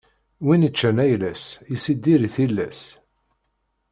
Win iččan ayla-s, issidir i tillas.